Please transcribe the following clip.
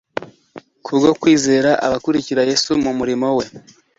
Kubwo kwizera, abakurikira Yesu mu murimo we